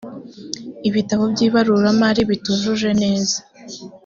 ibitabo by’ibaruramari bitujuje nezai